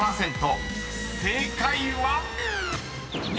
［正解は⁉］